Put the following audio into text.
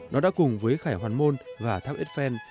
nó đã cùng với khải hoàn môn và tháp eiffel